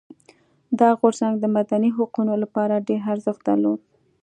دا غورځنګ د مدني حقونو لپاره ډېر ارزښت درلود.